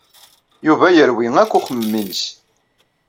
Yuba yerwi akk uxemmem-ines.